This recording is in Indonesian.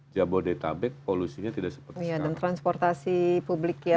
jabodetabek polusinya tidak seperti sekarang